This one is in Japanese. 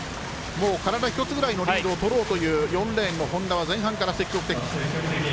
体一つぐらいのリードを取ろうという４レーンの本多は前半から積極的。